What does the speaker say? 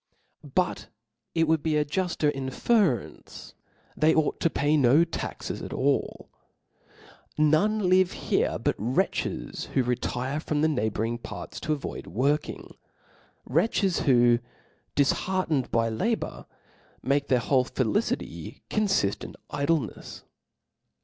But it would be a jufter inference, that they ought to pay no taxes at all. ' None live here but wretches who retire frofn the neighbour ing parts to avoid working ; wretches, who, dif hcartcned by labour, make their whole felicity confift in idlcncfs.